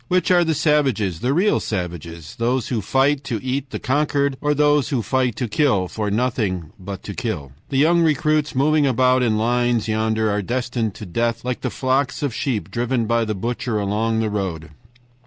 Which are the savages, the real savages? Those who fight to eat the conquered, or those who fight to kill, for nothing but to kill? "The young recruits, moving about in lines yonder, are destined to death like the flocks of sheep driven by the butcher along the road.